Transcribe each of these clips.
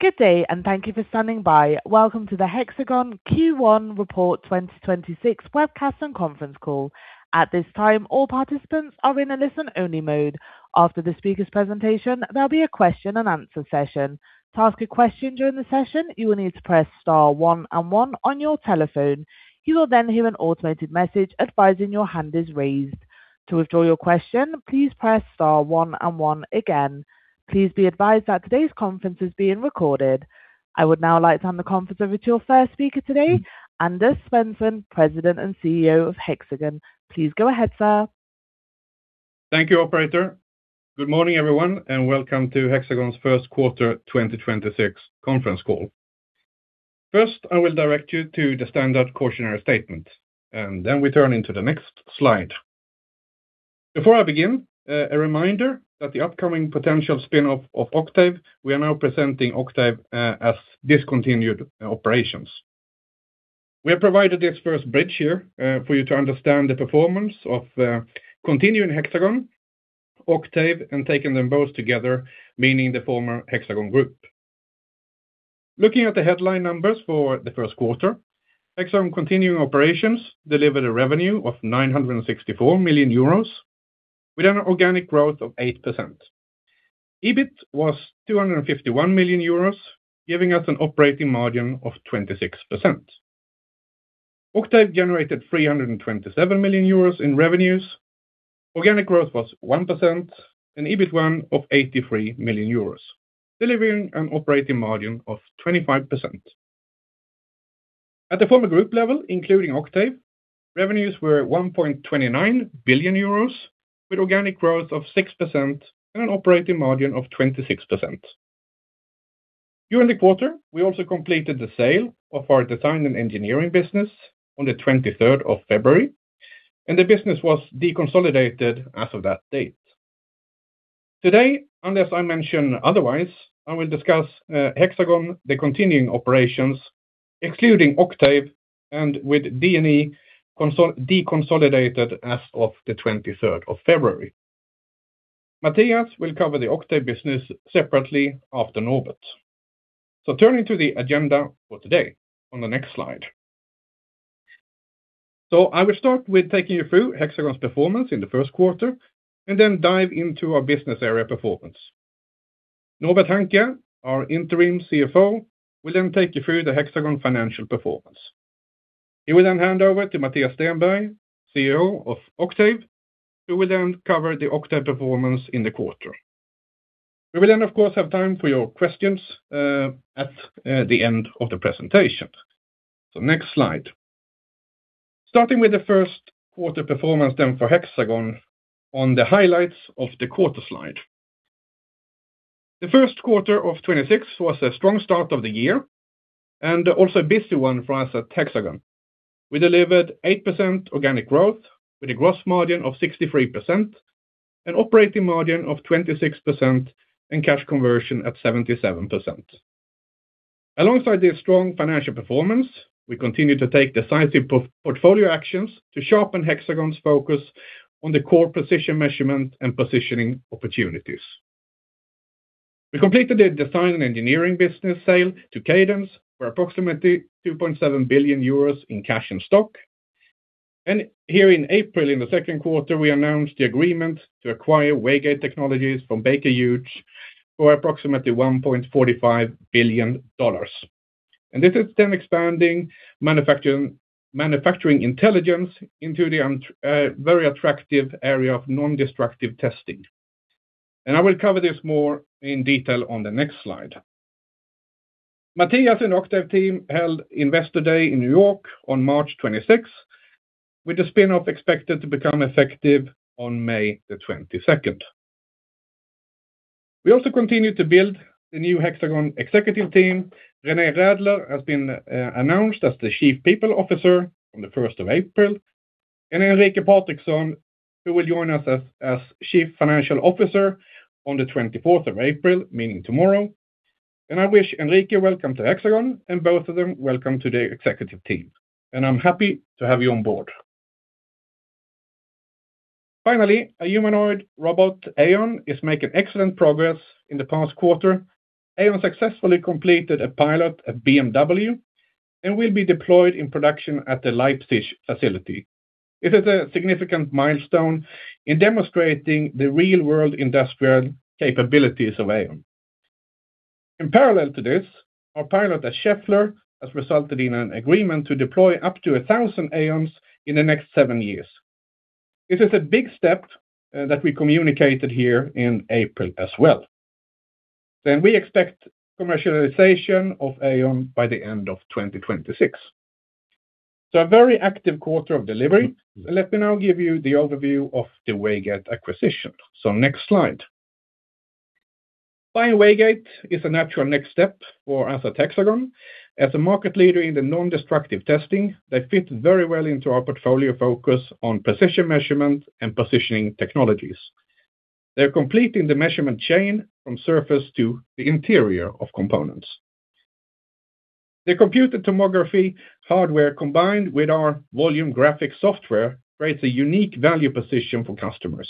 Good day, and thank you for standing by. Welcome to the Hexagon Q1 Report 2026 Webcast and Conference Call. At this time, all participants are in a listen-only mode. After the speaker's presentation, there'll be a question and answer session. To ask a question during the session, you will need to press star one and one on your telephone. You will then hear an automated message advising your hand is raised. To withdraw your question, please press star one and one again. Please be advised that today's conference is being recorded. I would now like to hand the conference over to your first speaker today, Anders Svensson, President and CEO of Hexagon. Please go ahead, sir. Thank you, operator. Good morning, everyone, and welcome to Hexagon's first quarter 2026 conference call. First, I will direct you to the standard cautionary statement, and then we turn to the next slide. Before I begin, a reminder that the upcoming potential spin-off of Octave, we are now presenting Octave as discontinued operations. We have provided this first bridge here for you to understand the performance of continuing Hexagon, Octave, and taking them both together, meaning the former Hexagon group. Looking at the headline numbers for the first quarter, Hexagon continuing operations delivered a revenue of 964 million euros with an organic growth of 8%. EBIT was 251 million euros, giving us an operating margin of 26%. Octave generated 327 million euros in revenues. Organic growth was 1%, and EBITA of 83 million euros, delivering an operating margin of 25%. At the former group level, including Octave, revenues were 1.29 billion euros with organic growth of 6% and an operating margin of 26%. During the quarter, we also completed the sale of our design and engineering business on the 23rd of February, and the business was deconsolidated as of that date. Today, unless I mention otherwise, I will discuss Hexagon, the continuing operations, excluding Octave, and with D&E deconsolidated as of the 23rd of February. Mattias will cover the Octave business separately after Norbert. Turning to the agenda for today on the next slide. I will start with taking you through Hexagon's performance in the first quarter and then dive into our business area performance. Norbert Hanke, our Interim CFO, will then take you through the Hexagon financial performance. He will then hand over to Mattias Stenberg, CEO of Octave, who will then cover the Octave performance in the quarter. We will then, of course, have time for your questions at the end of the presentation. Next slide. Starting with the first quarter performance then for Hexagon on the highlights of the quarter slide. The first quarter of 2026 was a strong start of the year and also a busy one for us at Hexagon. We delivered 8% organic growth with a gross margin of 63%, an operating margin of 26%, and cash conversion at 77%. Alongside this strong financial performance, we continued to take decisive portfolio actions to sharpen Hexagon's focus on the core precision measurement and positioning opportunities. We completed a design engineering business sale to Cadence for approximately 2.7 billion euros in cash and stock. Here in April, in the second quarter, we announced the agreement to acquire Waygate Technologies from Baker Hughes for approximately $1.45 billion. This is then expanding Manufacturing Intelligence into the very attractive area of non-destructive testing. I will cover this more in detail on the next slide. Mattias and Octave team held Investor Day in New York on March 26, with the spin-off expected to become effective on May 22nd. We also continued to build the new Hexagon executive team. Renée Rädler has been announced as the Chief People Officer from the 1st of April. Enrique Patrickson, who will join us as Chief Financial Officer on the 24th of April, meaning tomorrow. I wish Enrique welcome to Hexagon and both of them, welcome to the executive team, and I'm happy to have you on board. Finally, a humanoid robot, AEON, is making excellent progress in the past quarter. AEON successfully completed a pilot at BMW and will be deployed in production at the Leipzig facility. This is a significant milestone in demonstrating the real-world industrial capabilities of AEON. In parallel to this, our pilot at Schaeffler has resulted in an agreement to deploy up to 1,000 AEONs in the next seven years. This is a big step that we communicated here in April as well. We expect commercialization of AEON by the end of 2026. A very active quarter of delivery. Let me now give you the overview of the Waygate acquisition. Next slide. Buying Waygate is a natural next step for us at Hexagon. As a market leader in the non-destructive testing, they fit very well into our portfolio focus on precision measurement and positioning technologies. They're completing the measurement chain from surface to the interior of components. The computed tomography hardware combined with our Volume Graphics software creates a unique value position for customers.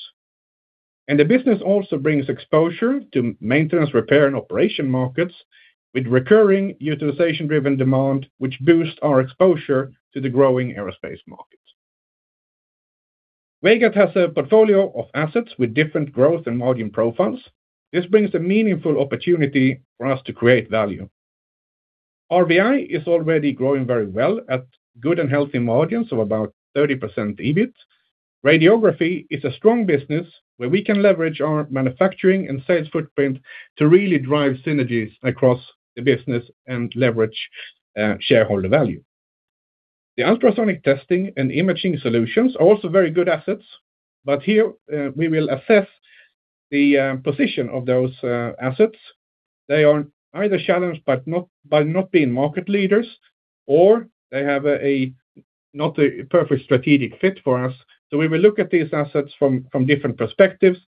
The business also brings exposure to maintenance, repair, and operation markets with recurring utilization-driven demand, which boosts our exposure to the growing aerospace market. Waygate has a portfolio of assets with different growth and margin profiles. This brings a meaningful opportunity for us to create value. RVI is already growing very well at good and healthy margins of about 30% EBIT. Radiography is a strong business where we can leverage our manufacturing and sales footprint to really drive synergies across the business and leverage shareholder value. The ultrasonic testing and imaging solutions are also very good assets, but here we will assess the position of those assets. They are either challenged by not being market leaders, or they have not a perfect strategic fit for us. We will look at these assets from different perspectives,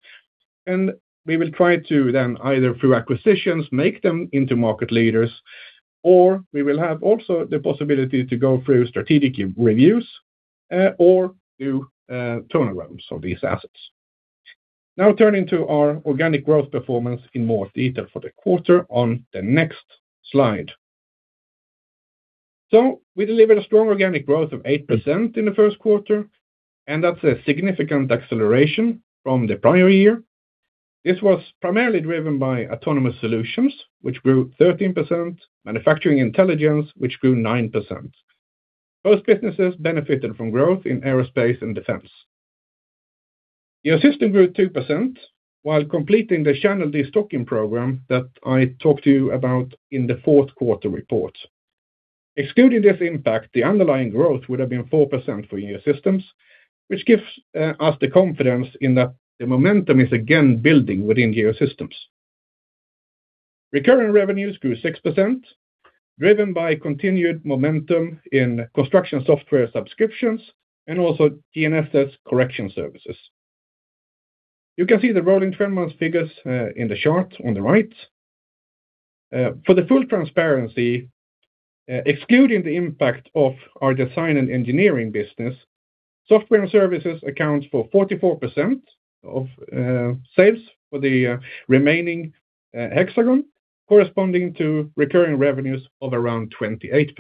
and we will try to then, either through acquisitions, make them into market leaders, or we will have also the possibility to go through strategic reviews, or do turnarounds of these assets. Now turning to our organic growth performance in more detail for the quarter on the next slide. We delivered a strong organic growth of 8% in the first quarter, and that's a significant acceleration from the prior year. This was primarily driven by Autonomous Solutions, which grew 13%, Manufacturing Intelligence, which grew 9%. Both businesses benefited from growth in aerospace and defense. Geosystems grew 2% while completing the channel destocking program that I talked to you about in the fourth quarter report. Excluding this impact, the underlying growth would have been 4% for Geosystems, which gives us the confidence in that the momentum is again building within Geosystems. Recurring revenues grew 6%, driven by continued momentum in construction software subscriptions and also GNSS correction services. You can see the rolling three months figures in the chart on the right. For the full transparency, excluding the impact of our design and engineering business, software and services account for 44% of sales for the remaining Hexagon corresponding to recurring revenues of around 28%.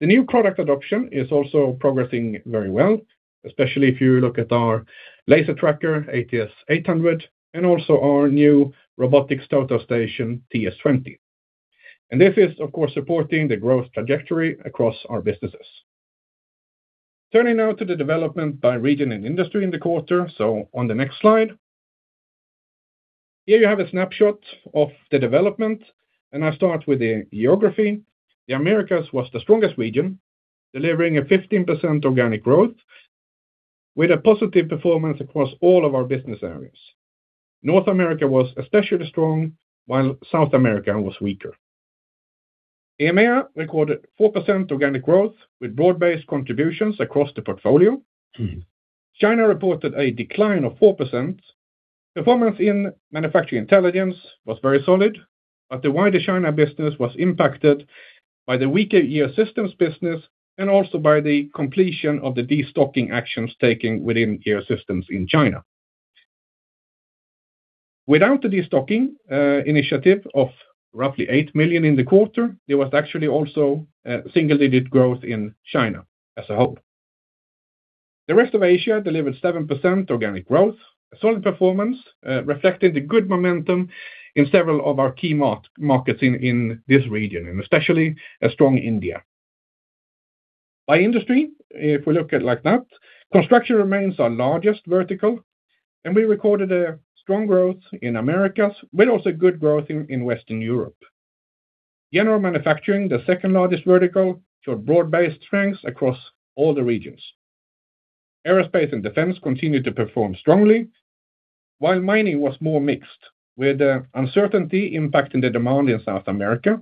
The new product adoption is also progressing very well, especially if you look at our laser tracker, ATS 800, and also our new robotic total station, TS20. This is, of course, supporting the growth trajectory across our businesses. Turning now to the development by region and industry in the quarter, so on the next slide. Here you have a snapshot of the development and I start with the geography. The Americas was the strongest region, delivering 15% organic growth with a positive performance across all of our business areas. North America was especially strong, while South America was weaker. EMEA recorded 4% organic growth with broad-based contributions across the portfolio. China reported a decline of 4%. Performance in Manufacturing Intelligence was very solid, but the wider China business was impacted by the weaker Geosystems business and also by the completion of the destocking actions taken within Geosystems in China. Without the destocking initiative of roughly 8 million in the quarter, there was actually also single-digit growth in China as a whole. The rest of Asia delivered 7% organic growth. Solid performance reflected the good momentum in several of our key markets in this region, and especially a strong India. By industry, if we look at it like that, construction remains our largest vertical, and we recorded a strong growth in Americas, with also good growth in Western Europe. General manufacturing, the second largest vertical, showed broad-based strengths across all the regions. Aerospace and defense continued to perform strongly, while mining was more mixed, with uncertainty impacting the demand in South America.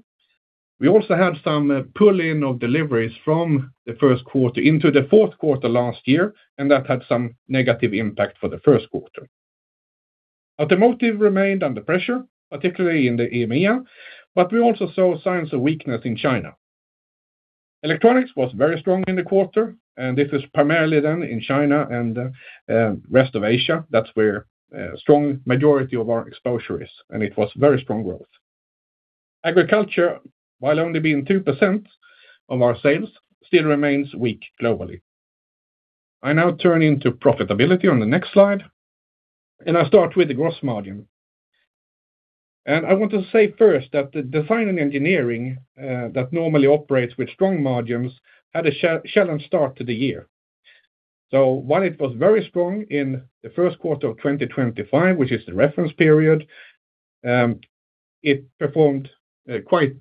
We also had some pull-in of deliveries from the first quarter into the fourth quarter last year, and that had some negative impact for the first quarter. Automotive remained under pressure, particularly in the EMEA, but we also saw signs of weakness in China. Electronics was very strong in the quarter, and this is primarily then in China and rest of Asia. That's where strong majority of our exposure is, and it was very strong growth. Agriculture, while only being 2% of our sales, still remains weak globally. I now turn to profitability on the next slide, and I start with the gross margin. I want to say first that the Design and Engineering that normally operates with strong margins had a challenged start to the year. While it was very strong in the first quarter of 2025, which is the reference period, it performed quite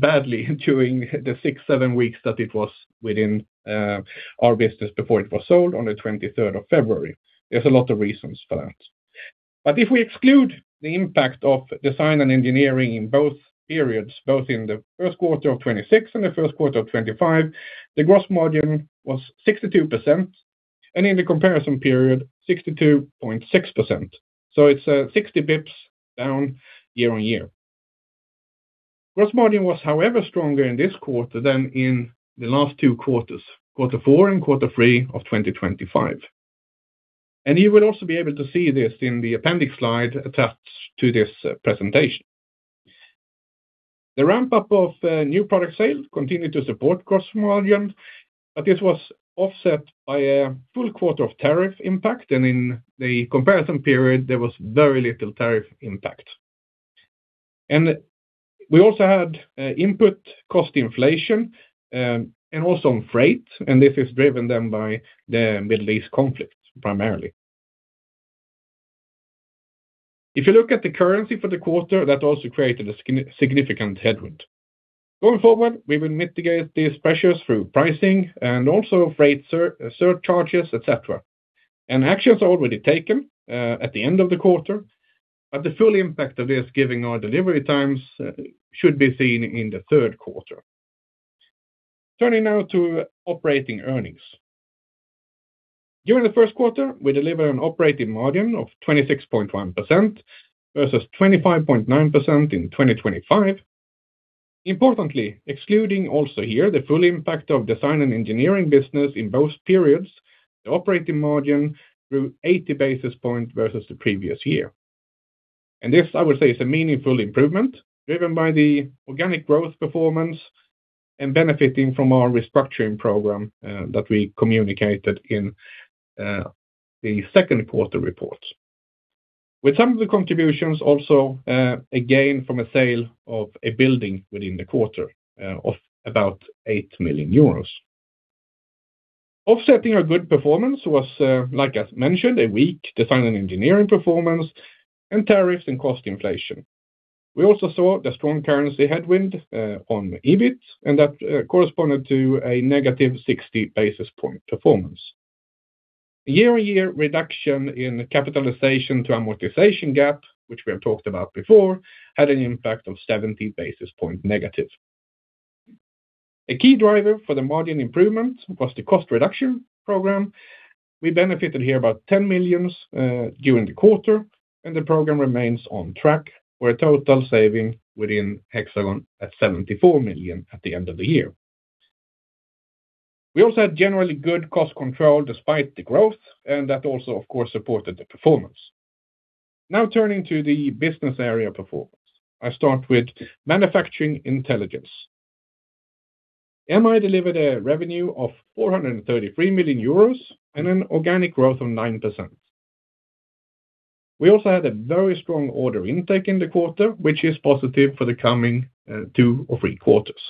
badly during the six, seven weeks that it was within our business before it was sold on the 23rd of February. There's a lot of reasons for that. If we exclude the impact of Design and Engineering in both periods, both in the first quarter of 2026 and the first quarter of 2025, the gross margin was 62%. In the comparison period, 62.6%. It's 60 basis points down year-over-year. Gross margin was, however, stronger in this quarter than in the last two quarters, quarter four and quarter three of 2025. You will also be able to see this in the appendix slide attached to this presentation. The ramp-up of new product sales continued to support gross margin, but this was offset by a full quarter of tariff impact, and in the comparison period, there was very little tariff impact. We also had input cost inflation, and also on freight, and this is driven then by the Middle East conflict, primarily. If you look at the currency for the quarter, that also created a significant headwind. Going forward, we will mitigate these pressures through pricing and also freight surcharges, et cetera, actions already taken at the end of the quarter. The full impact of this, given our delivery times, should be seen in the third quarter. Turning now to operating earnings. During the first quarter, we delivered an operating margin of 26.1% versus 25.9% in 2025. Importantly, excluding also here the full impact of design and engineering business in both periods, the operating margin grew 80 basis points versus the previous year. This, I would say, is a meaningful improvement, driven by the organic growth performance and benefiting from our restructuring program that we communicated in the second quarter report. With some of the contributions also, again, from a sale of a building within the quarter of about 8 million euros. Offsetting our good performance was, like I mentioned, a weak design and engineering performance and tariffs and cost inflation. We also saw the strong currency headwind on EBIT, and that corresponded to a negative 60 basis point performance. Year-on-year reduction in capitalization to amortization gap, which we have talked about before, had an impact of 70 basis points negative. A key driver for the margin improvement was the cost reduction program. We benefited here about 10 million during the quarter, and the program remains on track for a total saving within Hexagon at 74 million at the end of the year. We also had generally good cost control despite the growth, and that also, of course, supported the performance. Now turning to the business area performance. I start with Manufacturing Intelligence. MI delivered a revenue of 433 million euros and an organic growth of 9%. We also had a very strong order intake in the quarter, which is positive for the coming two or three quarters.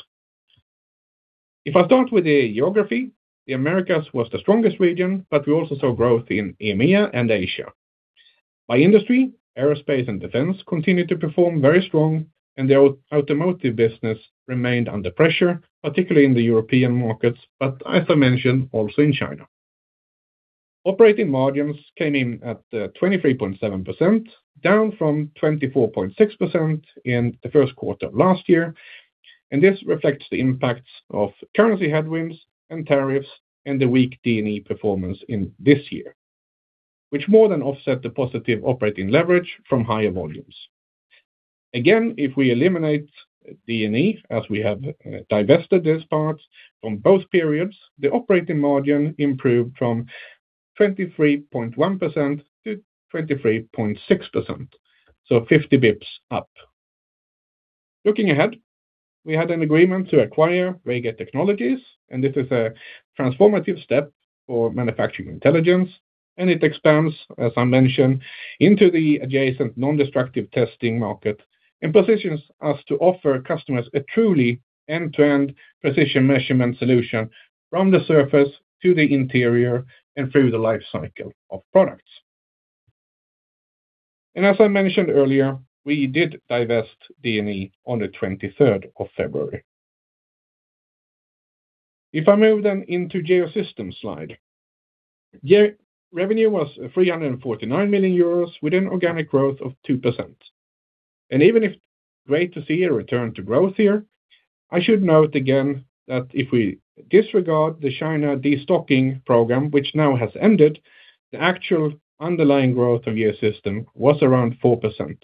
If I start with the geography, the Americas was the strongest region, but we also saw growth in EMEA and Asia. By industry, aerospace and defense continued to perform very strong, and the automotive business remained under pressure, particularly in the European markets, but as I mentioned, also in China. Operating margins came in at 23.7%, down from 24.6% in the first quarter of last year. This reflects the impacts of currency headwinds and tariffs and the weak D&E performance in this year, which more than offset the positive operating leverage from higher volumes. Again, if we eliminate D&E, as we have divested this part from both periods, the operating margin improved from 23.1% to 23.6%, so 50 basis points up. Looking ahead, we had an agreement to acquire Waygate Technologies, and this is a transformative step for Manufacturing Intelligence, and it expands, as I mentioned, into the adjacent non-destructive testing market and positions us to offer customers a truly end-to-end precision measurement solution from the surface to the interior and through the life cycle of products. As I mentioned earlier, we did divest D&E on the 23rd of February. If I move then into Geosystems slide. Revenue was 349 million euros with an organic growth of 2%. Even if great to see a return to growth here, I should note again that if we disregard the China destocking program, which now has ended, the actual underlying growth of Geosystems was around 4%,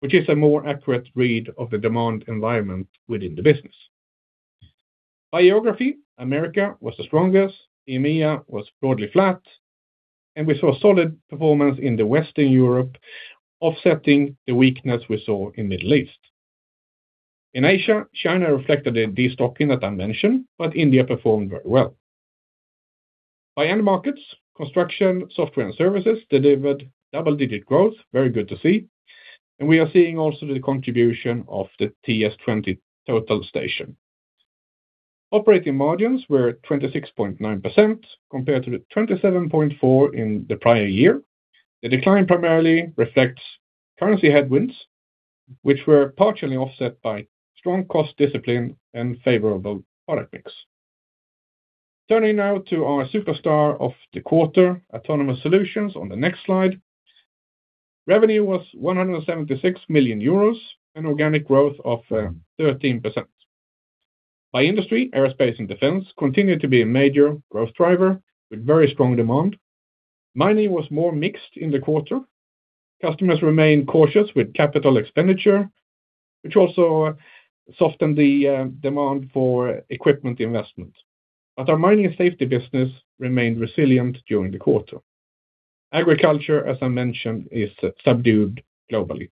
which is a more accurate read of the demand environment within the business. By geography, America was the strongest, EMEA was broadly flat, and we saw solid performance in Western Europe, offsetting the weakness we saw in Middle East. In Asia, China reflected a destocking that I mentioned, but India performed very well. By end markets, construction, software, and services delivered double-digit growth. Very good to see. We are seeing also the contribution of the TS20 Total Station. Operating margins were 26.9% compared to the 27.4% in the prior year. The decline primarily reflects currency headwinds, which were partially offset by strong cost discipline and favorable product mix. Turning now to our superstar of the quarter, Autonomous Solutions on the next slide. Revenue was 176 million euros, an organic growth of 13%. By industry, aerospace and defense continued to be a major growth driver with very strong demand. Mining was more mixed in the quarter. Customers remained cautious with capital expenditure, which also softened the demand for equipment investment. Our mining and safety business remained resilient during the quarter. Agriculture, as I mentioned, is subdued globally.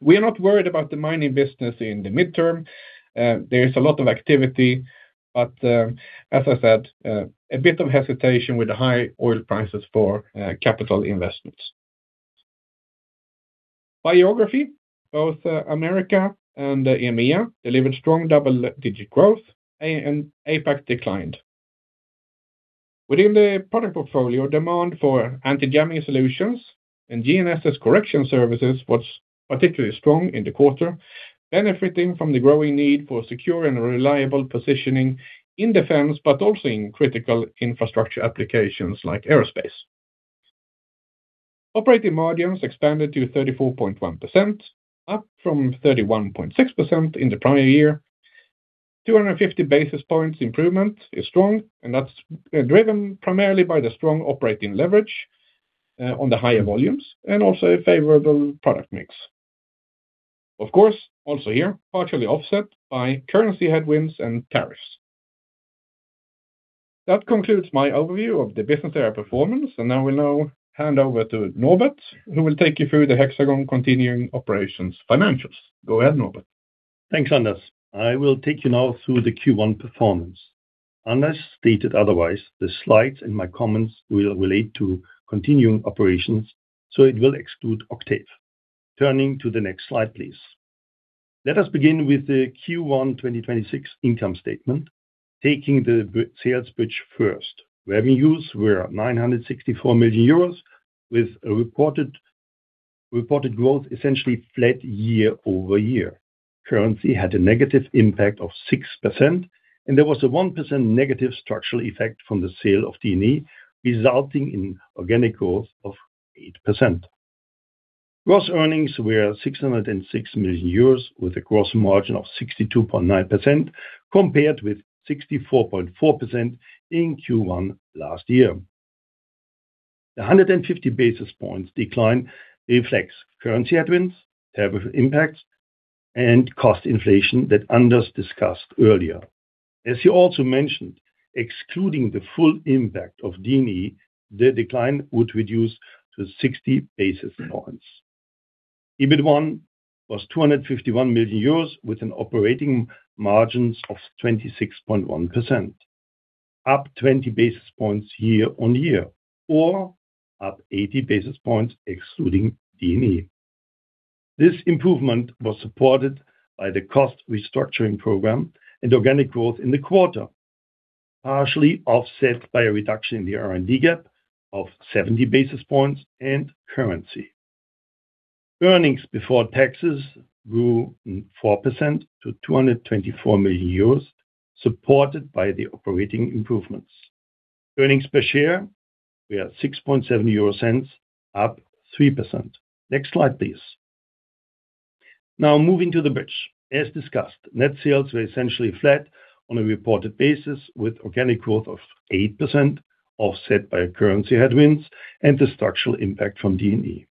We are not worried about the mining business in the midterm. There is a lot of activity, but, as I said, a bit of hesitation with the high oil prices for capital investments. By geography, both America and EMEA delivered strong double-digit growth, and APAC declined. Within the product portfolio, demand for anti-jamming solutions and GNSS correction services was particularly strong in the quarter, benefiting from the growing need for secure and reliable positioning in defense, but also in critical infrastructure applications like aerospace. Operating margins expanded to 34.1%, up from 31.6% in the prior year. 250 basis points improvement is strong, and that's driven primarily by the strong operating leverage on the higher volumes and also a favorable product mix. Of course, also here, partially offset by currency headwinds and tariffs. That concludes my overview of the business area performance, and I will now hand over to Norbert, who will take you through the Hexagon continuing operations financials. Go ahead, Norbert. Thanks, Anders. I will take you now through the Q1 performance. Unless stated otherwise, the slides and my comments will relate to continuing operations, so it will exclude Octave. Turning to the next slide, please. Let us begin with the Q1 2026 income statement. Taking the sales bridge first, revenues were 964 million euros with reported growth essentially flat year-over-year. Currency had a negative impact of 6% and there was a 1% negative structural effect from the sale of D&E, resulting in organic growth of 8%. Gross earnings were 606 million euros with a gross margin of 62.9%, compared with 64.4% in Q1 last year. The 150 basis points decline reflects currency headwinds, terrible impacts, and cost inflation that Anders discussed earlier. As he also mentioned, excluding the full impact of D&E, the decline would reduce to 60 basis points. EBIT1 was 251 million euros, with an operating margin of 26.1%, up 20 basis points year on year, or up 80 basis points excluding D&E. This improvement was supported by the cost restructuring program and organic growth in the quarter, partially offset by a reduction in the R&D gap of 70 basis points and currency. Earnings before taxes grew 4% to 224 million euros, supported by the operating improvements. Earnings per share were 0.067, up 3%. Next slide, please. Now moving to the bridge. As discussed, net sales were essentially flat on a reported basis with organic growth of 8% offset by currency headwinds and the structural impact from D&E.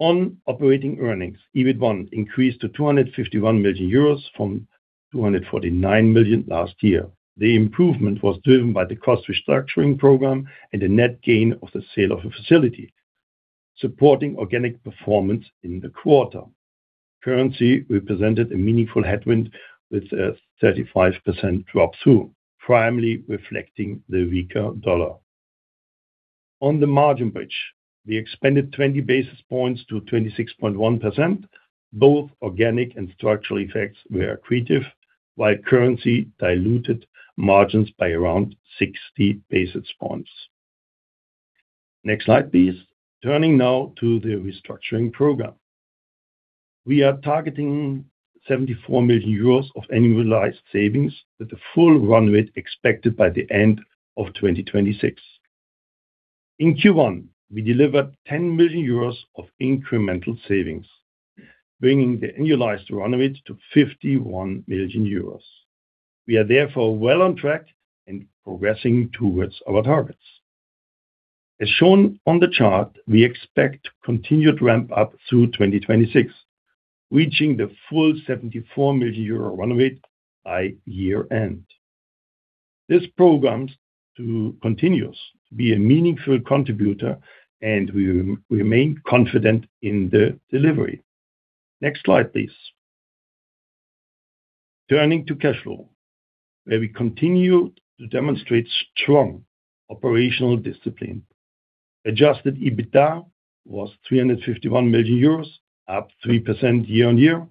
On operating earnings, EBIT1 increased to 251 million euros from 249 million last year. The improvement was driven by the cost restructuring program and a net gain from the sale of a facility, supporting organic performance in the quarter. Currency represented a meaningful headwind with a 35% drop through, primarily reflecting the weaker US dollar. On the margin bridge, we expanded 20 basis points to 26.1%. Both organic and structural effects were accretive, while currency diluted margins by around 60 basis points. Next slide, please. Turning now to the restructuring program. We are targeting 74 million euros of annualized savings with the full run rate expected by the end of 2026. In Q1, we delivered 10 million euros of incremental savings, bringing the annualized run rate to 51 million euros. We are therefore well on track and progressing towards our targets. As shown on the chart, we expect continued ramp up through 2026, reaching the full 74 million euro run rate by year-end. This program continues to be a meaningful contributor and we remain confident in the delivery. Next slide, please. Turning to cash flow, where we continue to demonstrate strong operational discipline. Adjusted EBITDA was 351 million euros, up 3% year-on-year,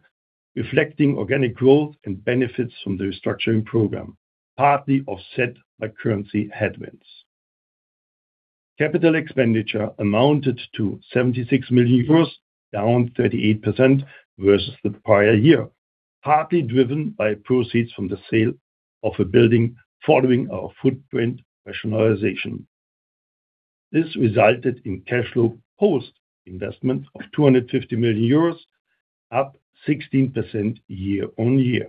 reflecting organic growth and benefits from the restructuring program, partly offset by currency headwinds. Capital expenditure amounted to 76 million euros, down 38% versus the prior year. Partly driven by proceeds from the sale of a building following our footprint rationalization. This resulted in cash flow post-investment of 250 million euros, up 16% year-on-year.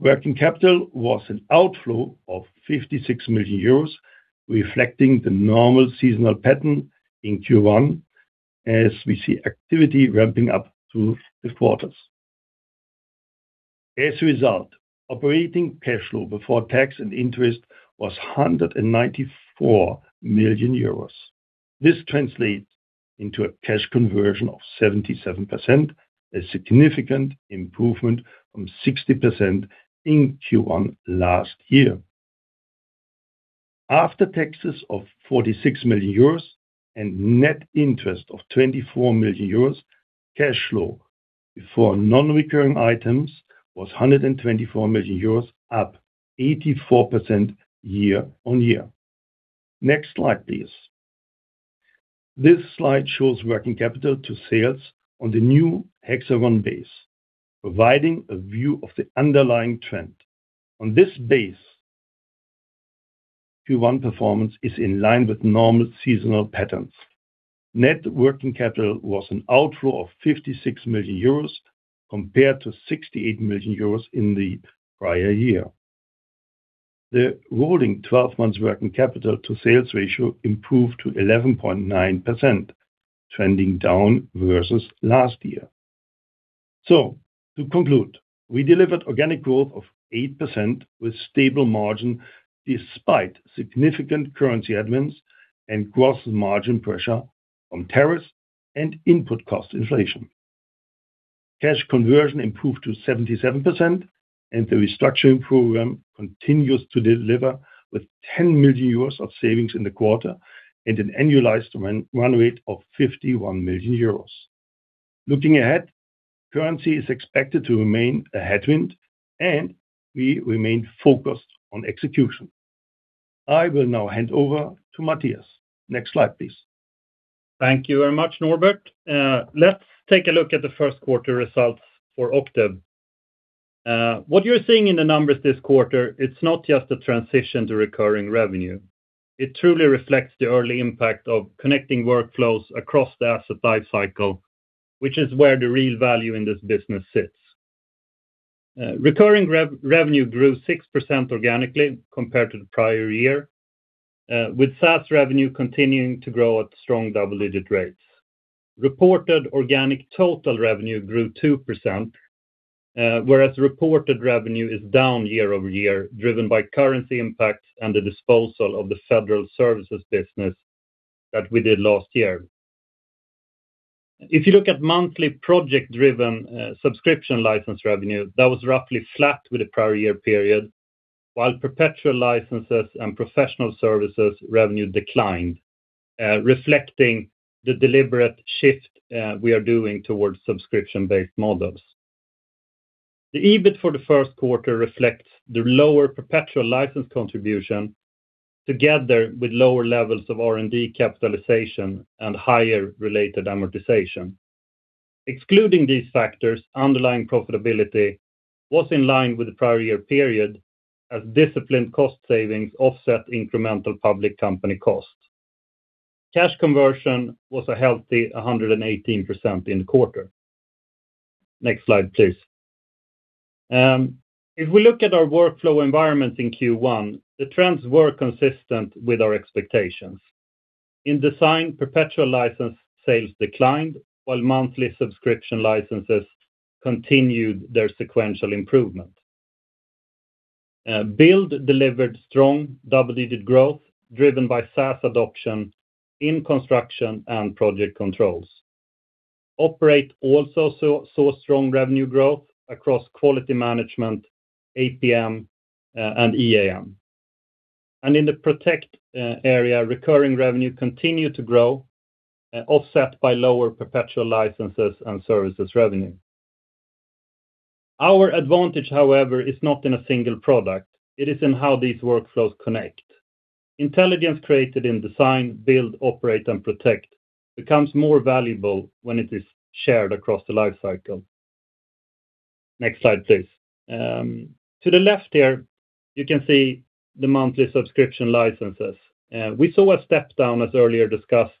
Working capital was an outflow of 56 million euros, reflecting the normal seasonal pattern in Q1, as we see activity ramping up through the quarters. As a result, operating cash flow before tax and interest was 194 million euros. This translates into a cash conversion of 77%, a significant improvement from 60% in Q1 last year. After taxes of 46 million euros and net interest of 24 million euros, cash flow before non-recurring items was 124 million euros, up 84% year-on-year. Next slide, please. This slide shows working capital to sales on the new Hexagon base, providing a view of the underlying trend. On this base, Q1 performance is in line with normal seasonal patterns. Net working capital was an outflow of 56 million euros compared to 68 million euros in the prior year. The rolling 12 months working capital to sales ratio improved to 11.9%, trending down versus last year. To conclude, we delivered organic growth of 8% with stable margin, despite significant currency headwinds and gross margin pressure from tariffs and input cost inflation. Cash conversion improved to 77% and the restructuring program continues to deliver with 10 million euros of savings in the quarter and an annualized run rate of 51 million euros. Looking ahead, currency is expected to remain a headwind and we remain focused on execution. I will now hand over to Mattias. Next slide, please. Thank you very much, Norbert. Let's take a look at the first quarter results for Octave. What you're seeing in the numbers this quarter, it's not just a transition to recurring revenue. It truly reflects the early impact of connecting workflows across the asset life cycle, which is where the real value in this business sits. Recurring revenue grew 6% organically compared to the prior year, with SaaS revenue continuing to grow at strong double-digit rates. Reported organic total revenue grew 2%, whereas reported revenue is down year-over-year, driven by currency impacts and the disposal of the federal services business that we did last year. If you look at monthly project-driven subscription license revenue, that was roughly flat with the prior year period, while perpetual licenses and professional services revenue declined, reflecting the deliberate shift we are doing towards subscription-based models. The EBIT for the first quarter reflects the lower perpetual license contribution together with lower levels of R&D capitalization and higher related amortization. Excluding these factors, underlying profitability was in line with the prior year period as disciplined cost savings offset incremental public company costs. Cash conversion was a healthy 118% in the quarter. Next slide, please. If we look at our workflow environments in Q1, the trends were consistent with our expectations. In design, perpetual license sales declined, while monthly subscription licenses continued their sequential improvement. Build delivered strong double-digit growth driven by SaaS adoption in construction and project controls. Operate also saw strong revenue growth across quality management, APM and EAM. In the protect area, recurring revenue continued to grow, offset by lower perpetual licenses and services revenue. Our advantage, however, is not in a single product. It is in how these workflows connect. Intelligence created in design, build, operate, and protect becomes more valuable when it is shared across the life cycle. Next slide, please. To the left here, you can see the monthly subscription licenses. We saw a step down, as earlier discussed,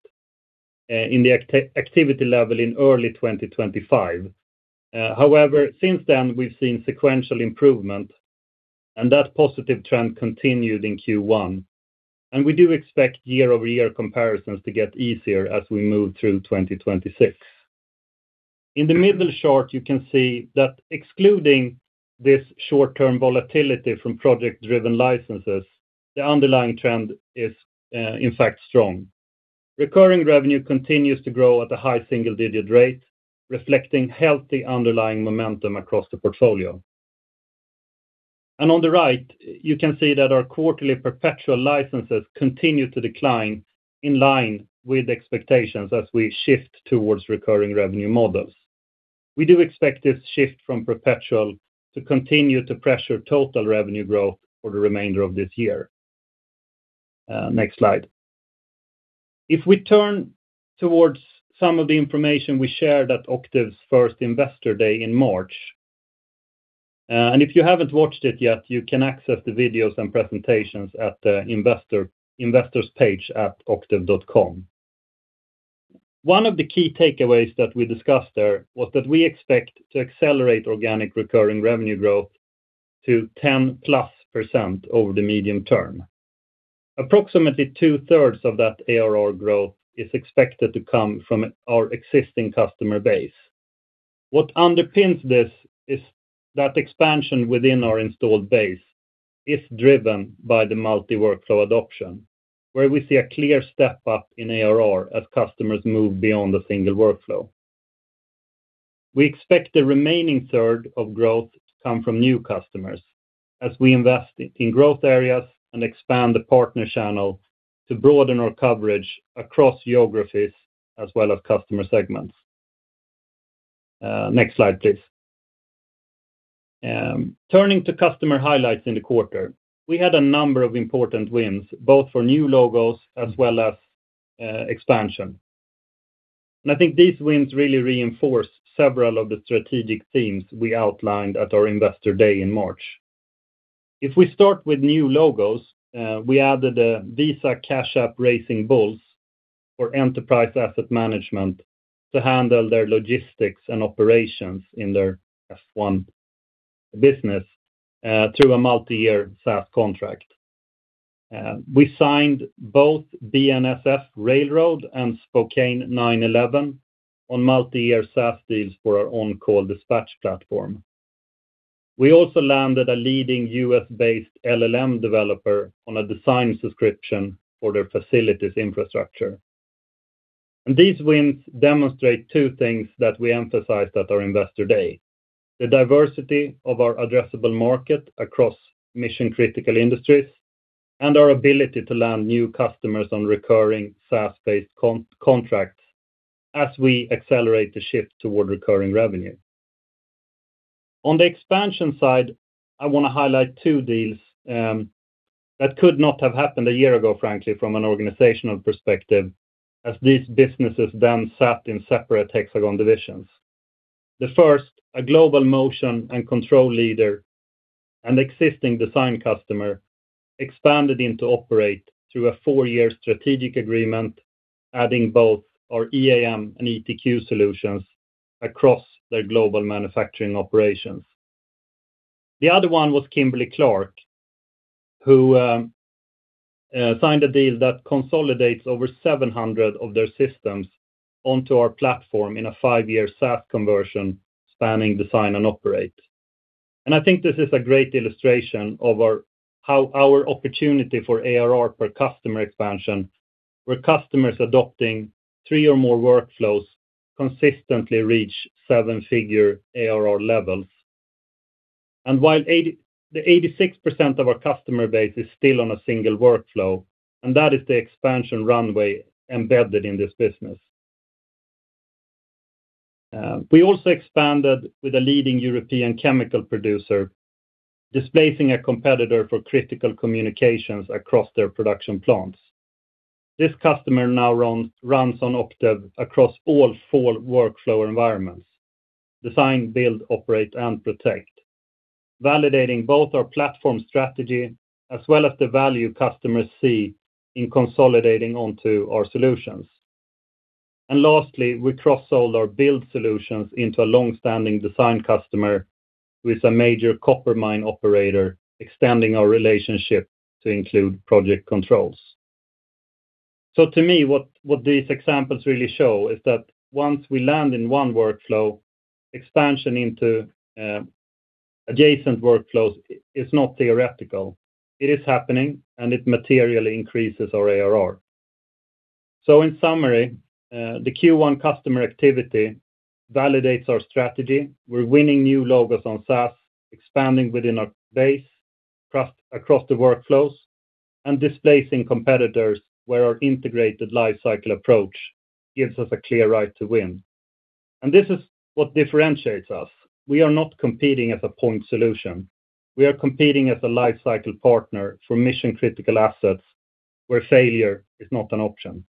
in the activity level in early 2025. However, since then, we've seen sequential improvement, and that positive trend continued in Q1. We do expect year-over-year comparisons to get easier as we move through 2026. In the middle chart, you can see that excluding this short-term volatility from project-driven licenses, the underlying trend is, in fact, strong. Recurring revenue continues to grow at a high single-digit rate, reflecting healthy underlying momentum across the portfolio. On the right, you can see that our quarterly perpetual licenses continue to decline in line with expectations as we shift towards recurring revenue models. We do expect this shift from perpetual to continue to pressure total revenue growth for the remainder of this year. Next slide. If we turn towards some of the information we shared at Octave's first Investor Day in March. If you haven't watched it yet, you can access the videos and presentations at the investors page at octave.com. One of the key takeaways that we discussed there was that we expect to accelerate organic recurring revenue growth to 10%+ over the medium term. Approximately two-thirds of that ARR growth is expected to come from our existing customer base. What underpins this is that expansion within our installed base is driven by the multi-workflow adoption, where we see a clear step up in ARR as customers move beyond a single workflow. We expect the remaining third of growth to come from new customers as we invest in growth areas and expand the partner channel to broaden our coverage across geographies as well as customer segments. Next slide, please. Turning to customer highlights in the quarter, we had a number of important wins, both for new logos as well as expansion. I think these wins really reinforce several of the strategic themes we outlined at our Investor Day in March. If we start with new logos, we added [Visa Cash App Racing Bulls] for enterprise asset management to handle their logistics and operations in their F1 business through a multi-year SaaS contract. We signed both [BNSF Railway and Spokane 911] on multi-year SaaS deals for our on-call dispatch platform. We also landed a leading U.S.-based LLM developer on a design subscription for their facilities infrastructure. These wins demonstrate two things that we emphasized at our Investor Day, the diversity of our addressable market across mission-critical industries, and our ability to land new customers on recurring SaaS-based contracts as we accelerate the shift toward recurring revenue. On the expansion side, I want to highlight two deals that could not have happened a year ago, frankly, from an organizational perspective, as these businesses then sat in separate Hexagon divisions. The first, a global motion and control leader, an existing design customer, expanded into operate through a four year strategic agreement, adding both our EAM and ETQ solutions across their global manufacturing operations. The other one was Kimberly-Clark, who signed a deal that consolidates over 700 of their systems onto our platform in a five year SaaS conversion spanning design and operate. I think this is a great illustration of how our opportunity for ARR per customer expansion, where customers adopting three or more workflows consistently reach seven-figure ARR levels. While 86% of our customer base is still on a single workflow, and that is the expansion runway embedded in this business. We also expanded with a leading European chemical producer, displacing a competitor for critical communications across their production plants. This customer now runs on Octave across all four workflow environments, design, build, operate, and protect, validating both our platform strategy as well as the value customers see in consolidating onto our solutions. Lastly, we cross-sold our build solutions into a long-standing design customer who is a major copper mine operator, extending our relationship to include project controls. To me, what these examples really show is that once we land in one workflow, expansion into adjacent workflows is not theoretical. It is happening, and it materially increases our ARR. In summary, the Q1 customer activity validates our strategy. We're winning new logos on SaaS, expanding within our base across the workflows, and displacing competitors where our integrated life cycle approach gives us a clear right to win. This is what differentiates us. We are not competing as a point solution. We are competing as a life cycle partner for mission-critical assets where failure is not an option.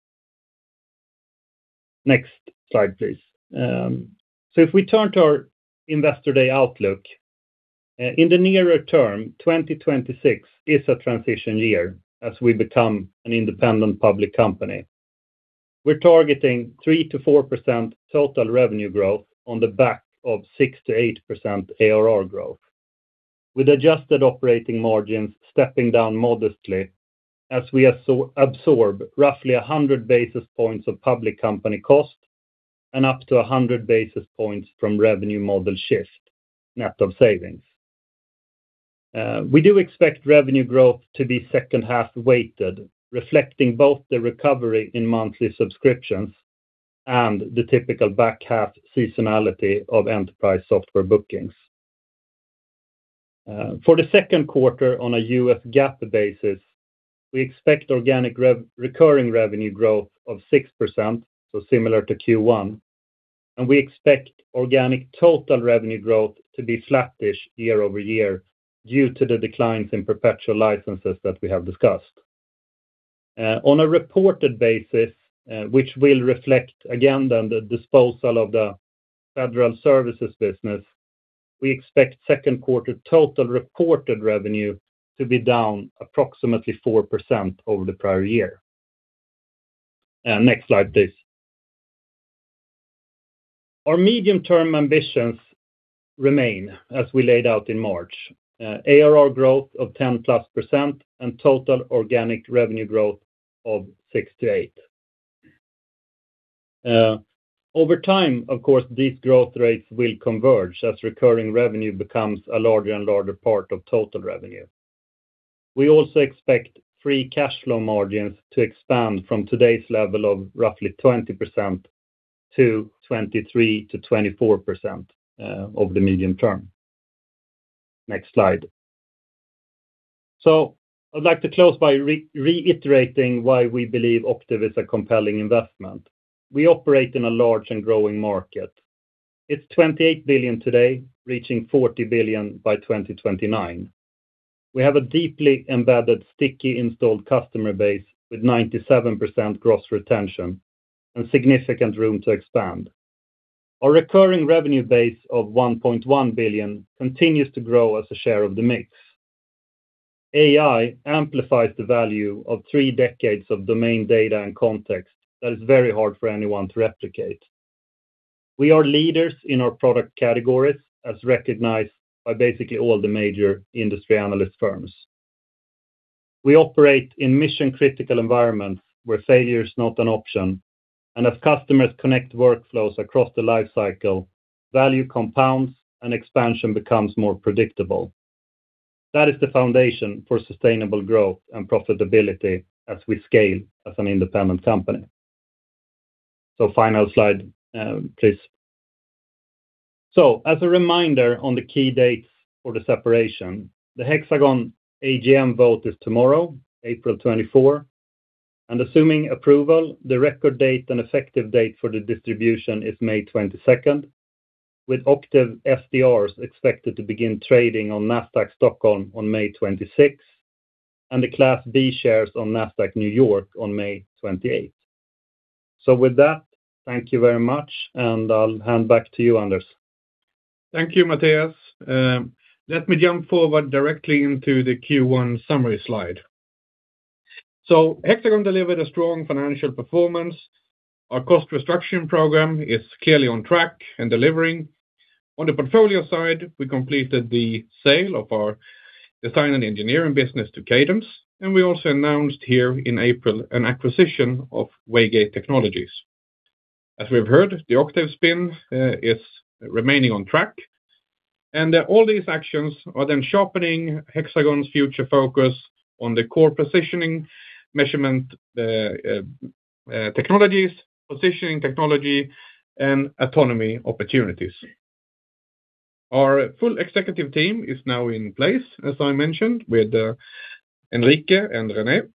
Next slide, please. If we turn to our Investor Day outlook, in the nearer term, 2026 is a transition year as we become an independent public company. We're targeting 3%-4% total revenue growth on the back of 6%-8% ARR growth, with adjusted operating margins stepping down modestly as we absorb roughly 100 basis points of public company cost and up to 100 basis points from revenue model shift, net of savings. We do expect revenue growth to be second half-weighted, reflecting both the recovery in monthly subscriptions and the typical back half seasonality of enterprise software bookings. For the second quarter on a US GAAP basis, we expect organic recurring revenue growth of 6%, so similar to Q1. We expect organic total revenue growth to be flattish year over year due to the declines in perpetual licenses that we have discussed. On a reported basis, which will reflect again on the disposal of the federal services business, we expect second quarter total reported revenue to be down approximately 4% over the prior year. Next slide, please. Our medium-term ambitions remain as we laid out in March. ARR growth of 10%+, and total organic revenue growth of 6%-8%. Over time, of course, these growth rates will converge as recurring revenue becomes a larger and larger part of total revenue. We also expect free cash flow margins to expand from today's level of roughly 20% to 23%-24%, over the medium term. Next slide. I'd like to close by reiterating why we believe Octave is a compelling investment. We operate in a large and growing market. It's 28 billion today, reaching 40 billion by 2029. We have a deeply embedded, sticky installed customer base with 97% gross retention and significant room to expand. Our recurring revenue base of 1.1 billion continues to grow as a share of the mix. AI amplifies the value of three decades of domain data and context that is very hard for anyone to replicate. We are leaders in our product categories as recognized by basically all the major industry analyst firms. We operate in mission-critical environments where failure is not an option, and as customers connect workflows across the life cycle, value compounds, and expansion becomes more predictable. That is the foundation for sustainable growth and profitability as we scale as an independent company. Final slide, please. As a reminder on the key dates for the separation, the Hexagon AGM vote is tomorrow, April 24, and assuming approval, the record date and effective date for the distribution is May 22nd, with Octave SDRs expected to begin trading on Nasdaq Stockholm on May 26, and the Class B shares on Nasdaq New York on May 28th. With that, thank you very much, and I'll hand back to you, Anders. Thank you, Mattias. Let me jump forward directly into the Q1 summary slide. Hexagon delivered a strong financial performance. Our cost restructuring program is clearly on track and delivering. On the portfolio side, we completed the sale of our design and engineering business to Cadence, and we also announced here in April an acquisition of Waygate Technologies. As we've heard, the Octave spin is remaining on track, and all these actions are then sharpening Hexagon's future focus on the core positioning measurement technologies, positioning technology, and autonomy opportunities. Our full executive team is now in place, as I mentioned, with Enrique and Renée.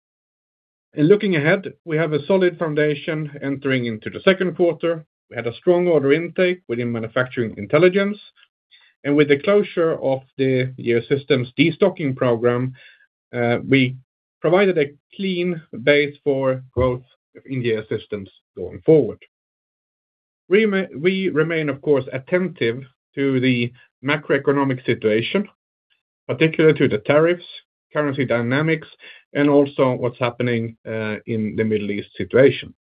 In looking ahead, we have a solid foundation entering into the second quarter. We had a strong order intake within Manufacturing Intelligence. With the closure of the Geosystems destocking program, we provided a clean base for growth in Geosystems going forward. We remain, of course, attentive to the macroeconomic situation, particularly to the tariffs, currency dynamics, and also what's happening in the Middle East situation.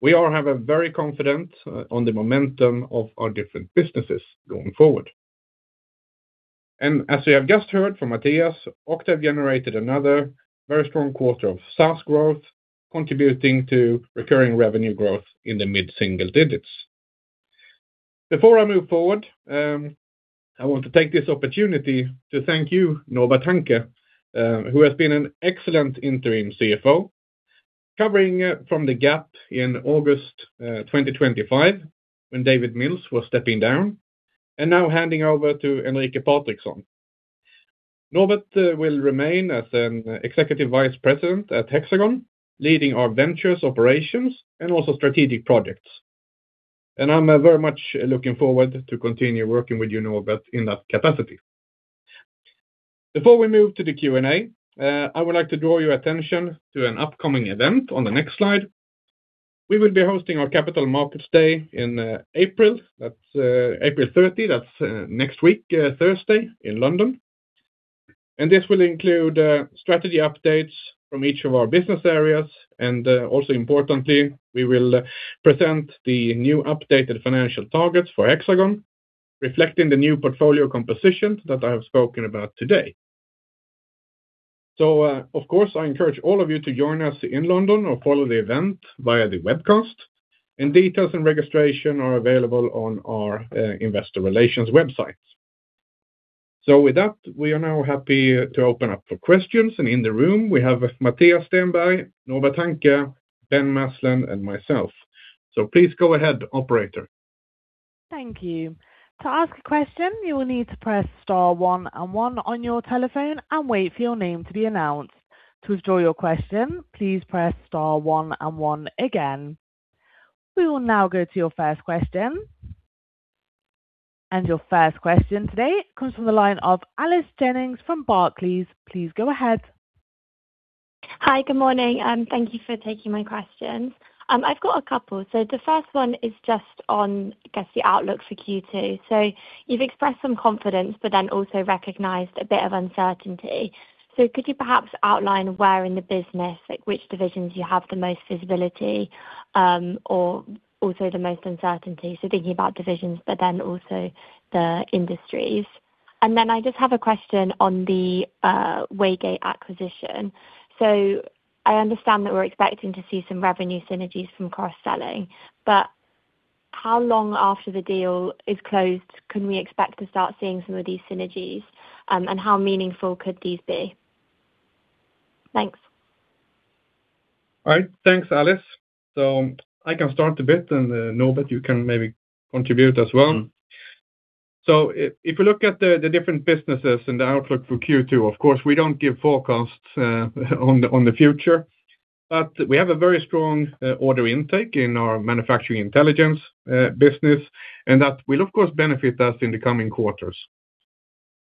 We are very confident on the momentum of our different businesses going forward. As we have just heard from Mattias, Octave generated another very strong quarter of SaaS growth, contributing to recurring revenue growth in the mid-single digits. Before I move forward, I want to take this opportunity to thank you, Norbert Hanke, who has been an excellent Interim CFO, covering from the gap in August 2025 when David Mills was stepping down and now handing over to Enrique Patrickson. Norbert will remain as an Executive Vice President at Hexagon, leading our ventures, operations, and also strategic projects, and I'm very much looking forward to continue working with you, Norbert, in that capacity. Before we move to the Q&A, I would like to draw your attention to an upcoming event on the next slide. We will be hosting our Capital Markets Day in April. That's April 30. That's next week, Thursday, in London. This will include strategy updates from each of our business areas, and also importantly, we will present the new updated financial targets for Hexagon, reflecting the new portfolio composition that I have spoken about today. Of course, I encourage all of you to join us in London or follow the event via the webcast. Details and registration are available on our investor relations website. With that, we are now happy to open up for questions. In the room, we have Mattias Stenberg, Norbert Hanke, Ben Maslen, and myself. Please go ahead, operator. Thank you. To ask a question, you will need to press star one and one on your telephone and wait for your name to be announced. To withdraw your question, please press star one and one again. We will now go to your first question. Your first question today comes from the line of Alice Jennings from Barclays. Please go ahead. Hi. Good morning. Thank you for taking my questions. I've got a couple. The first one is just on, I guess, the outlook for Q2. You've expressed some confidence, but then also recognized a bit of uncertainty. Could you perhaps outline where in the business, like which divisions you have the most visibility, or also the most uncertainty? Thinking about divisions, but then also the industries. I just have a question on the Waygate acquisition. I understand that we're expecting to see some revenue synergies from cross-selling, but how long after the deal is closed can we expect to start seeing some of these synergies? And how meaningful could these be? Thanks. All right. Thanks, Alice. I can start a bit, and then, Norbert, you can maybe contribute as well. Mm-hmm. If we look at the different businesses and the outlook for Q2, of course, we don't give forecasts on the future. We have a very strong order intake in our Manufacturing Intelligence business, and that will of course benefit us in the coming quarters.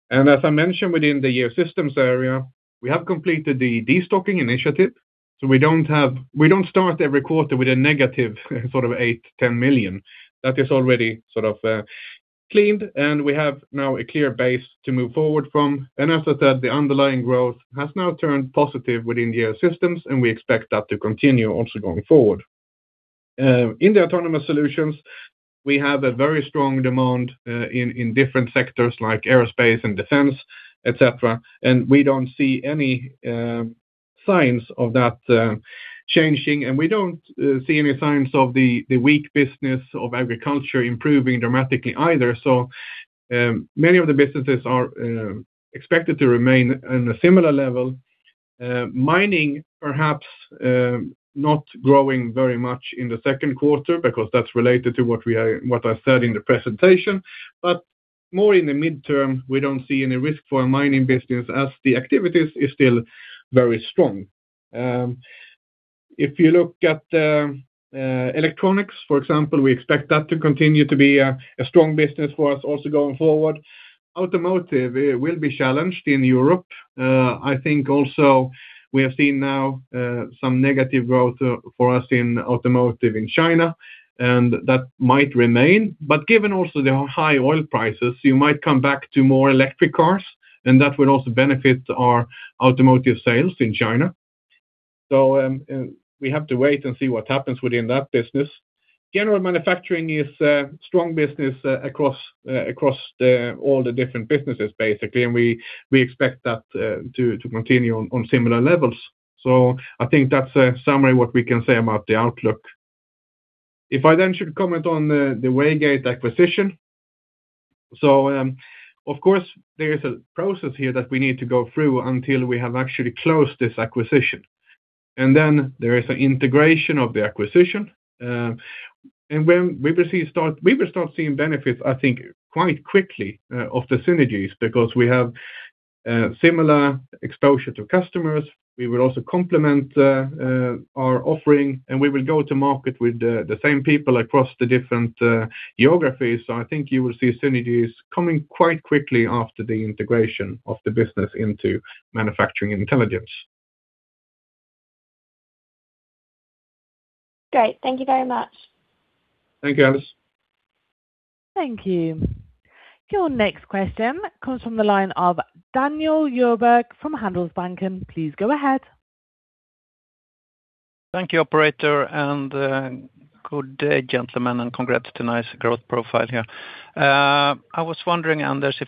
As I mentioned, within the Geosystems area, we have completed the de-stocking initiative, so we don't start every quarter with a negative 8 million-10 million. That is already sort of cleaned, and we have now a clear base to move forward from. As I said, the underlying growth has now turned positive within Geosystems, and we expect that to continue also going forward. In the Autonomous Solutions, we have a very strong demand in different sectors like aerospace and defense, et cetera, and we don't see any signs of that changing, and we don't see any signs of the weak business of agriculture improving dramatically either, so many of the businesses are expected to remain in a similar level. Mining perhaps not growing very much in the second quarter because that's related to what I said in the presentation, but more in the midterm, we don't see any risk for our mining business as the activities is still very strong. If you look at electronics, for example, we expect that to continue to be a strong business for us also going forward. Automotive will be challenged in Europe. I think also we have seen now some negative growth for us in automotive in China, and that might remain, but given also the high oil prices, you might come back to more electric cars, and that will also benefit our automotive sales in China. We have to wait and see what happens within that business. General manufacturing is a strong business across all the different businesses, basically, and we expect that to continue on similar levels. I think that's a summary what we can say about the outlook. If I then should comment on the Waygate acquisition, of course, there is a process here that we need to go through until we have actually closed this acquisition, and then there is an integration of the acquisition. We will start seeing benefits, I think, quite quickly, of the synergies because we have similar exposure to customers. We will also complement our offering, and we will go to market with the same people across the different geographies. I think you will see synergies coming quite quickly after the integration of the business into Manufacturing Intelligence. Great. Thank you very much. Thank you, Alice. Thank you. Your next question comes from the line of Daniel Djurberg from Handelsbanken. Please go ahead. Thank you, operator, and good day, gentlemen, and congrats to nice growth profile here. I was wondering, Anders,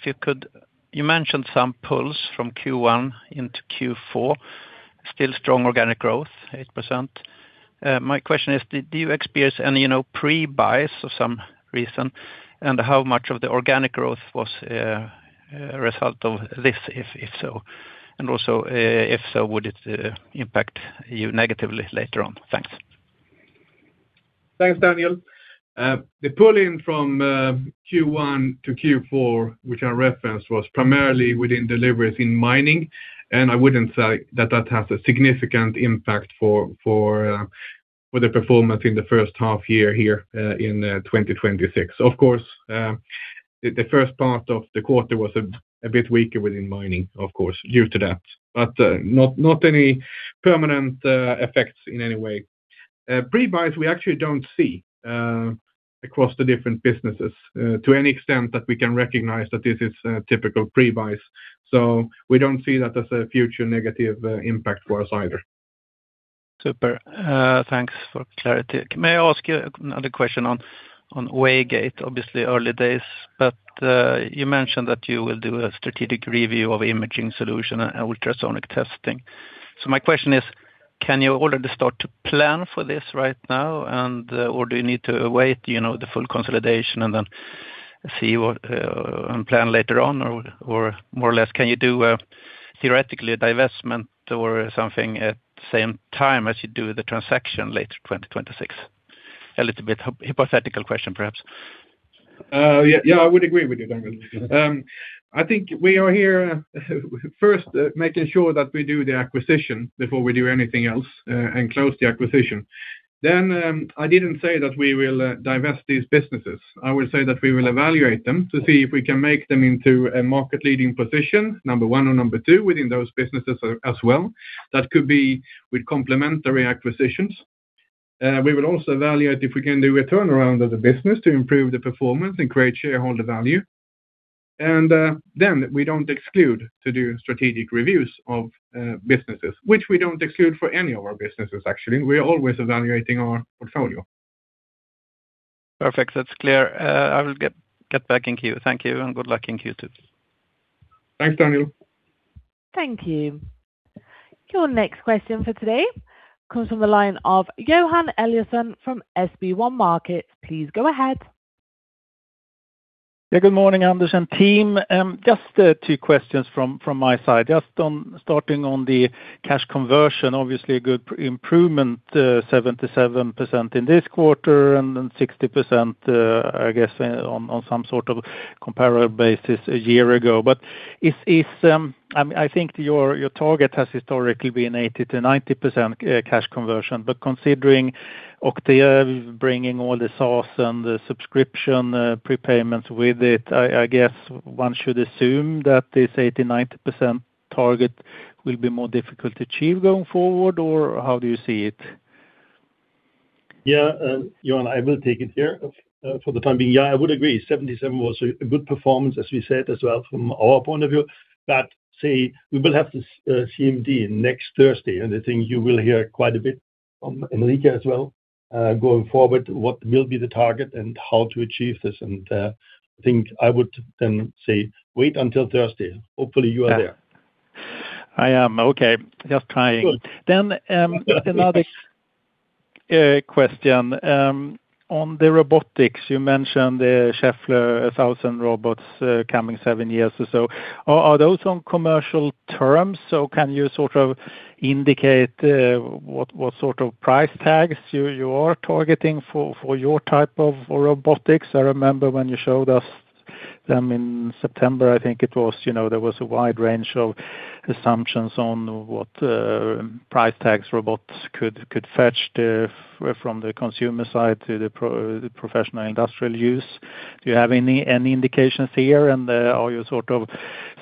you mentioned some pulls from Q1 into Q4, still strong organic growth, 8%. My question is do you experience any pre-buy or some reason, and how much of the organic growth was a result of this, if so? Also, if so, would it impact you negatively later on? Thanks. Thanks, Daniel. The pull-in from Q1 to Q4, which I referenced, was primarily within deliveries in mining, and I wouldn't say that has a significant impact for the performance in the first half year here, in 2026. Of course, the first part of the quarter was a bit weaker within mining, of course, due to that, but not any permanent effects in any way. Pre-buys, we actually don't see across the different businesses to any extent that we can recognize that this is a typical pre-buy, so we don't see that as a future negative impact for us either. Super. Thanks for clarity. May I ask you another question on Waygate? Obviously early days, but you mentioned that you will do a strategic review of imaging solution and ultrasonic testing. My question is, can you already start to plan for this right now? Or do you need to await the full consolidation and then You're on plan later on or more or less. Can you do theoretically a divestment or something at the same time as you do the transaction late 2026? It's a little bit of a hypothetical question, perhaps. Yeah, I would agree with you, Daniel. I think we are here first making sure that we do the acquisition before we do anything else and close the acquisition. I didn't say that we will divest these businesses. I would say that we will evaluate them to see if we can make them into a market-leading position, number one or number two within those businesses as well. That could be with complementary acquisitions. We would also evaluate if we can do a turnaround of the business to improve the performance and create shareholder value. We don't exclude to do strategic reviews of businesses, which we don't exclude for any of our businesses, actually. We are always evaluating our portfolio. Perfect. That's clear. I will get back in queue. Thank you and good luck in Q2. Thanks, Daniel. Thank you. Your next question for today comes from the line of Johan Eliason from SB1 Markets. Please go ahead. Yeah. Good morning, Anders and team. Just two questions from my side. Just on starting on the cash conversion, obviously a good improvement, 77% in this quarter and then 60%, I guess, on some sort of comparable basis a year ago. I think your target has historically been 80%-90% cash conversion, but considering Octave bringing all the SaaS and the subscription prepayments with it, I guess one should assume that this 80%-90% target will be more difficult to achieve going forward or how do you see it? Yeah, Johan, I will take it here for the time being. Yeah, I would agree. 77 was a good performance as we said as well from our point of view. Say, we will have this CMD next Thursday, and I think you will hear quite a bit from Enrique as well, going forward, what will be the target and how to achieve this. I think I would then say wait until Thursday. Hopefully, you are there. I am. Okay. Just trying. Good. Another question. On the robotics, you mentioned the Schaeffler 1,000 robots coming 7 years or so. Are those on commercial terms, or can you sort of indicate what sort of price tags you are targeting for your type of robotics? I remember when you showed us them in September, I think it was, there was a wide range of assumptions on what price tags robots could fetch from the consumer side to the professional industrial use. Do you have any indications here and are you sort of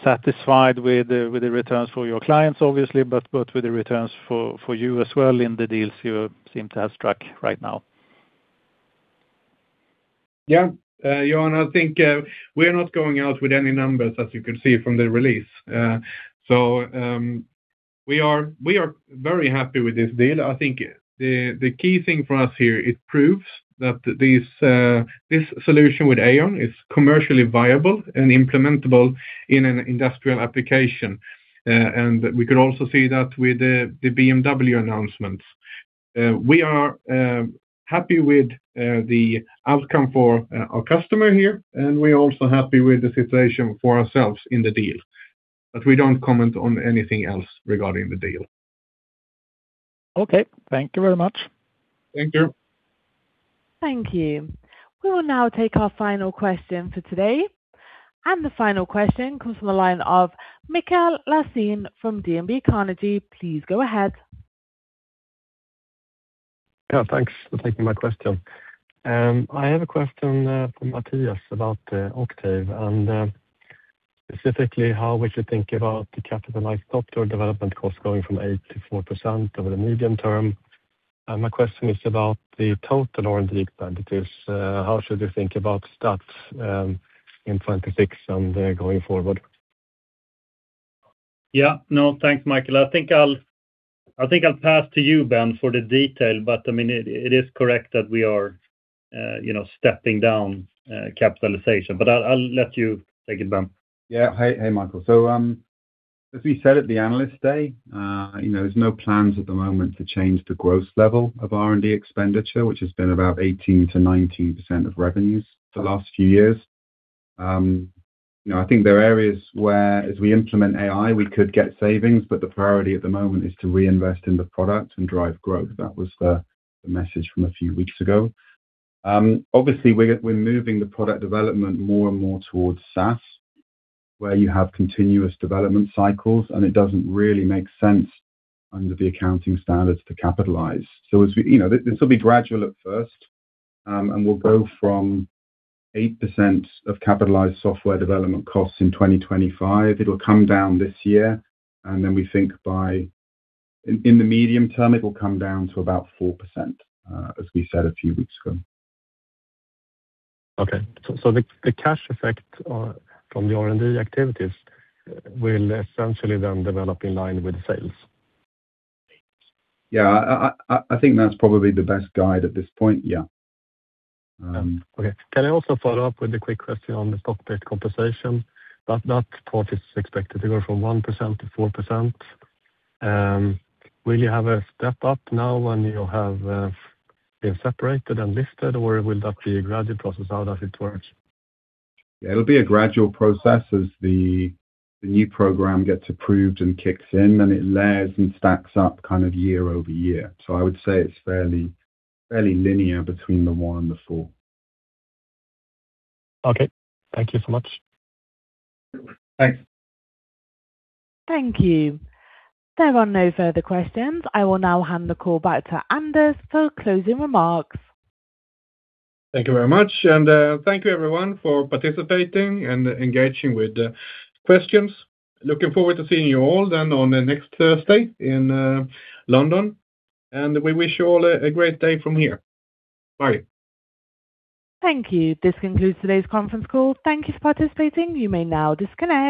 satisfied with the returns for your clients, obviously, but with the returns for you as well in the deals you seem to have struck right now? Yeah. Johan, I think we're not going out with any numbers as you can see from the release. We are very happy with this deal. I think the key thing for us here, it proves that this solution with AEON is commercially viable and implementable in an industrial application. We could also see that with the BMW announcements. We are happy with the outcome for our customer here, and we're also happy with the situation for ourselves in the deal. We don't comment on anything else regarding the deal. Okay. Thank you very much. Thank you. Thank you. We will now take our final question for today, and the final question comes from the line of Mikael Laséen from Carnegie. Please go ahead. Yeah, thanks for taking my question. I have a question for Mattias about Octave, and specifically how we should think about the capitalized software development cost going from 8%-4% over the medium term. My question is about the total R&D expenditures. How should you think about that in 2026 and going forward? Yeah. No, thanks, Mikael. I think I'll pass to you, Ben, for the detail, but it is correct that we are stepping down capitalization. I'll let you take it, Ben. Yeah. Hey, Mikael. As we said at the Analyst Day, there's no plans at the moment to change the growth level of R&D expenditure, which has been about 18%-19% of revenues for the last few years. I think there are areas where as we implement AI, we could get savings, but the priority at the moment is to reinvest in the product and drive growth. That was the message from a few weeks ago. Obviously, we're moving the product development more and more towards SaaS, where you have continuous development cycles, and it doesn't really make sense under the accounting standards to capitalize. This will be gradual at first, and we'll go from 8% of capitalized software development costs in 2025. It'll come down this year, and then we think in the medium term, it'll come down to about 4%, as we said a few weeks ago. Okay. The cash effect from the R&D activities will essentially then develop in line with sales. Yeah. I think that's probably the best guide at this point, yeah. Okay. Can I also follow up with a quick question on the stock-based compensation? That part is expected to go from 1%-4%. Will you have a step up now when you have been separated and listed, or will that be a gradual process? How does it work? Yeah, it'll be a gradual process as the new program gets approved and kicks in, and it layers and stacks up kind of year-over-year. I would say it's fairly linear between the 1% and the 4%. Okay. Thank you so much. Thanks. Thank you. There are no further questions. I will now hand the call back to Anders for closing remarks. Thank you very much. Thank you everyone for participating and engaging with the questions. Looking forward to seeing you all then on the next Thursday in London. We wish you all a great day from here. Bye. Thank you. This concludes today's conference call. Thank you for participating. You may now disconnect.